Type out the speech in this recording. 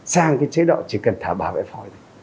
sang cái chế độ chỉ cần thả bảo vệ phó